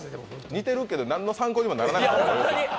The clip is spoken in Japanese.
似てるけど、何の参考にもならなかったね。